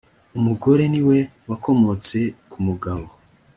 umugore ni we wakomotse ku mugabo